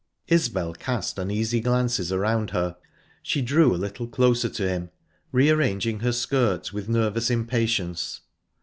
Isbel cast uneasy glances around her. She drew a little closer to him, re arranging her skirt with nervous impatience.